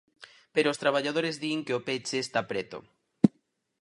Pero os traballadores din que o peche está preto.